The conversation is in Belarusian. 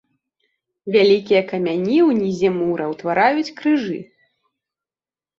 Вялікія камяні ўнізе мура ўтвараюць крыжы.